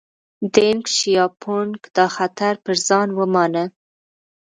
دینګ شیاپونګ دا خطر پر ځان ومانه.